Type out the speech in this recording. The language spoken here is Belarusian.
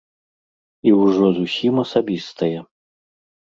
І ўжо зусім асабістае.